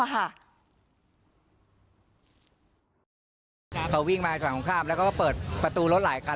เขาวิ่งมาฝั่งตรงข้ามแล้วก็เปิดประตูรถหลายคัน